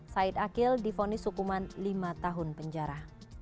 said akil difonis hukuman lima tahun penjara